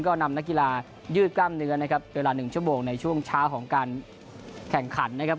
ก็นำนักกีฬายืดกล้ามเนื้อนะครับเวลา๑ชั่วโมงในช่วงเช้าของการแข่งขันนะครับ